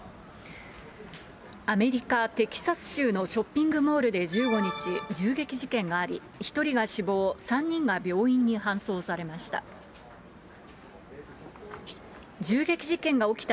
アメリカ・テキサス州のショッピングモールで１５日、銃撃事件があり、１人が死亡、３人が病院に搬送されました。